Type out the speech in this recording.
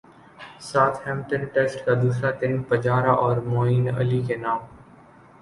ساتھ Hampton test کا دوسرا دن پجارا اور معین علی کے نام